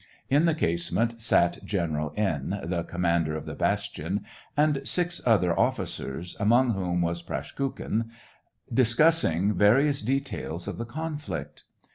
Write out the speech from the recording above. In the casemate sat General N., the commander of the bastion, and six other officers, among whom was Praskukhin, discussing various details of the SEVASTOPOL IN MAY. 83 conflict.